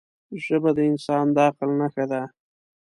ژبه د انسان د عقل نښه ده